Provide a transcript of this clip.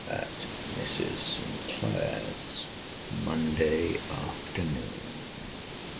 AT MRS. SINCLAIR'S, MONDAY AFTERNOON.